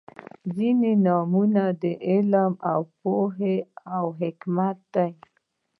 • ځینې نومونه د علم، پوهې او حکمت نښه ده.